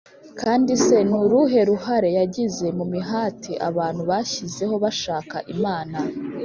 kandi se ni uruhe ruhare yagize mu mihati abantu bashyizeho bashaka imana?